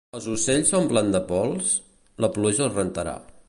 Els ocells s'omplen de pols? La pluja els rentarà.